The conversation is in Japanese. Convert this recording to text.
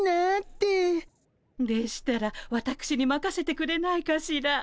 でしたらわたくしにまかせてくれないかしら。